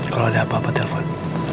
kalo ada apa apa telepon